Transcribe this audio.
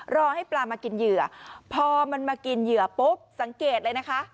รอให้ปลามากินเหยื่อพอมันมากินเหยื่อปุ๊บสังเกตเลยนะคะ